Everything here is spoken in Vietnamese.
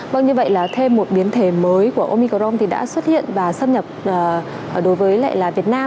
vâng như vậy là thêm một biến thể mới của omicron đã xuất hiện và xâm nhập đối với việt nam